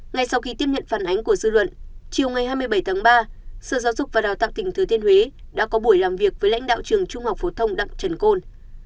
ngay sau khi tiếp nhận phản ánh của dư luận chiều ngày hai mươi bảy tháng ba sở giáo dục và đào tạo tỉnh thừa thiên huế đã có buổi làm việc với lãnh đạo trường trung học phổ thông đặng trần côn